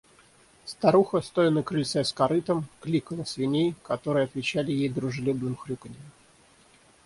Старуха, стоя на крыльце с корытом, кликала свиней, которые отвечали ей дружелюбным хрюканьем.